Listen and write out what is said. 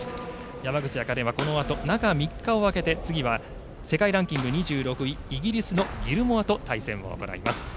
山口茜はこのあと中３日を空けて次は世界ランキング２６位イギリスのギルモアと対戦です。